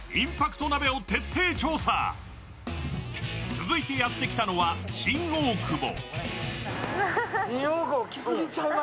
続いてやってきたのは、新大久保。